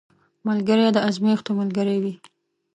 ملګری د ازمېښتو ملګری وي